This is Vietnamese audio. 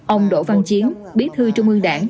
ông đỗ văn chiến bí thư trung ương đảng